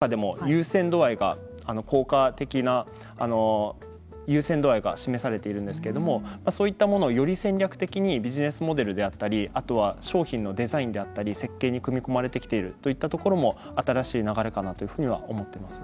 そういった３つの今示されているＲなどをビジネスモデルの根幹に位置づけてよりＲの中でも優先度合いが効果的な優先度合いが示されているんですけれどもそういったものをより戦略的にビジネスモデルであったりあとは商品のデザインであったり設計に組み込まれてきているといったところも新しい流れかなというふうには思っています。